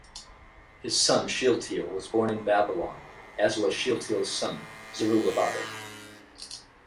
His son Shealtiel was born in Babylon, as was Shealtiel's son Zerubbabel.